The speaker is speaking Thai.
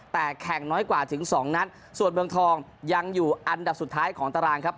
แต่แข่งน้อยกว่าถึงสองนัดส่วนเมืองทองยังอยู่อันดับสุดท้ายของตารางครับ